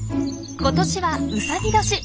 今年はうさぎ年。